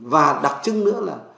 và đặc trưng nữa là